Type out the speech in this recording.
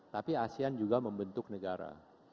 tapi asean juga membentuk negara